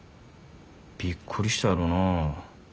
びっくりしたやろな。